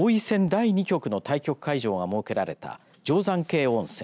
第２局の対局会場が設けられた定山渓温泉。